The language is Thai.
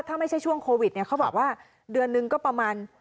ถ้าไม่ใช่ช่วงโควิดเนี่ยเขาบอกว่าเดือนนึงก็ประมาณ